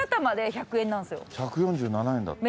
１４７円だって。